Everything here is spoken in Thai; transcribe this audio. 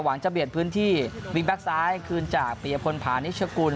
หวังจะเบียดพื้นที่วิ่งแบ็คซ้ายคืนจากเปรียพลผ่านิชกุล